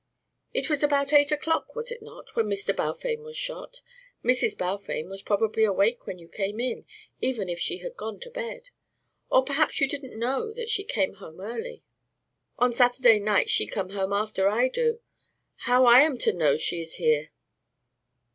It was about eight o'clock, was it not, when Mr. Balfame was shot? Mrs. Balfame was probably awake when you came in, even if she had gone to bed. Or perhaps you didn't know that she came home early?" "On Saturday nights she come home after I do. How I am to know she is here?"